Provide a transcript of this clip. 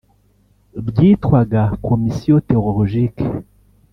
ryitwaga “Commission Théologique”